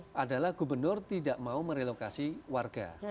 yang adalah gubernur tidak mau merelokasi warga